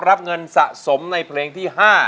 รับเงินสะสมในเพลงที่๕